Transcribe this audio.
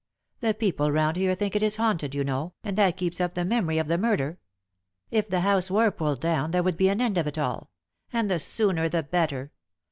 The people round here think it is haunted, you know, and that keeps up the memory of the murder. If the house were pulled down, there would be an end of it all and the sooner the better.